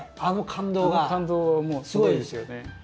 あの感動はもうすごいですよね。